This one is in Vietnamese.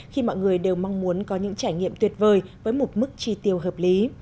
khi mọi người đều mong muốn có những trải nghiệm tuyệt vời với một mức tri tiêu hợp lý